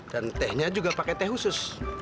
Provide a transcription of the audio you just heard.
dan tehnya juga pake teh khusus